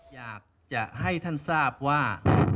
อยากจะให้ท่านทราบว่า